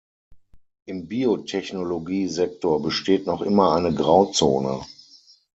Im Biotechnologiesektor besteht noch immer eine Grauzone.